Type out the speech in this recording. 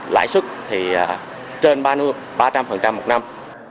lãi suất trên ba trăm linh một năm